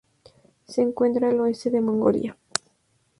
Se encuentra al oeste de Mongolia.